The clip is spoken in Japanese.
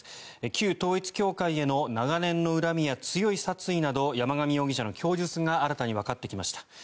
旧統一教会への長年の恨みや強い殺意など山上容疑者の供述が新たにわかってきました。